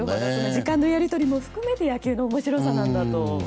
時間のやり取りも含めて野球の面白さなんだと。